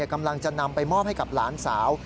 กำลังจะนำไปมอบให้กับหลานสาว